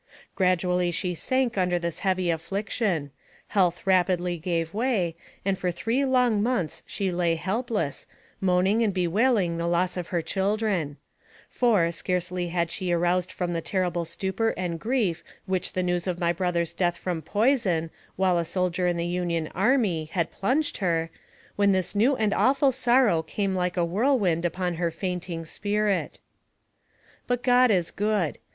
Gradually she sank under this heavy affliction; health rapidly gave way, and for three long months she lay helpless, moaning and bewailing the loss of her children ; for, scarcely had she aroused from the terrible stupor and grief which the news of my brother's death from poison, while a soldier in the Union army, had plunged her, when this new and awful sorrow came like a whirlwind upon her fainting spirit. But God is good.